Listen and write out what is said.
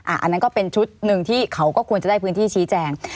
อันนั้นก็เป็นชุดหนึ่งที่เขาก็ควรจะได้พื้นที่ชี้แจง